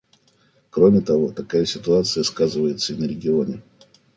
Кроме того, такая ситуация сказывается и на регионе.